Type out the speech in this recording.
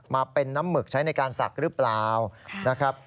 มาเป็นน้ำหมึกใช้ในการศักดิ์หรือเปล่านะครับ